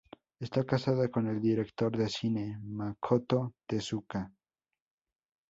Está casada con el director de cine Makoto Tezuka.